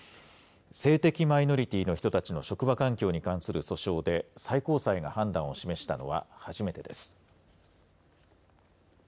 性的マイノリティーの人たちの職場環境に関する訴訟で、最高裁が判断を示したのは初めてです。